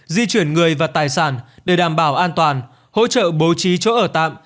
di chuyển người và tài sản để đảm bảo an toàn hỗ trợ bố trí chỗ ở tạm